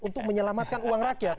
untuk menyelamatkan uang rakyat